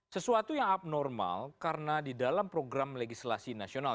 sesuatu yang abnormal karena di dalam program legislasi nasional